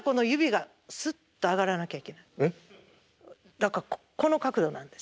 だからこの角度なんです。